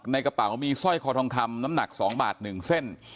ในกระเป๋ามีสร้อยคอทองคำน้ำหนัก๒บาท๑เส้น